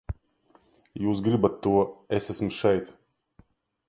Jūs gribat to, es esmu šeit!